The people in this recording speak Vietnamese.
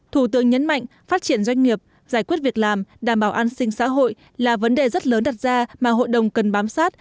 thủ tướng nhấn mạnh phát triển doanh nghiệp giải quyết việc làm đảm bảo an sinh xã hội là vấn đề rất lớn đặt ra mà hội đồng cần bám sát